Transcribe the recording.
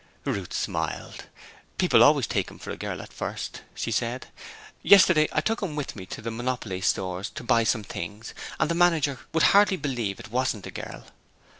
Ruth smiled. 'People always take him for a girl at first,' she said. 'Yesterday I took him with me to the Monopole Stores to buy some things, and the manager would hardly believe it wasn't a girl.'